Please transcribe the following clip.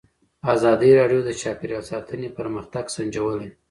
ازادي راډیو د چاپیریال ساتنه پرمختګ سنجولی.